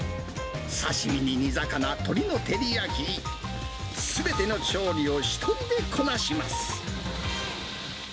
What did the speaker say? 刺身に煮魚、鶏の照り焼き、すべての調理を１人でこなします。